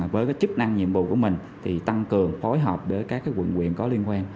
với cái chức năng nhiệm vụ của mình thì tăng cường phối hợp với các cái quận quyền có liên quan